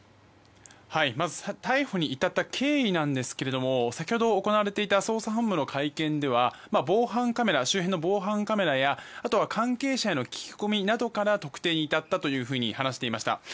まず逮捕に至った経緯なんですが先ほど、行われていた捜査本部の会見では周辺の防犯カメラやあとは関係者への聞き込みなどから特定に至ったと話していました。